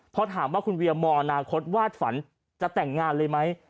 พอถามว่าคุณเวียมองอนาคตวาดฝันจะแต่งงานเลยไหม